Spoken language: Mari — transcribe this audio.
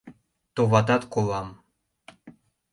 Товатат, колам!..